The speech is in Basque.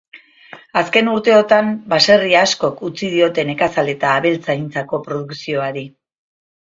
Azken urteotan baserri askok utzi diote nekazal eta abeltzaintzako produkzioari.